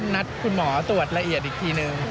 นัดคุณหมอตรวจละเอียดอีกทีนึง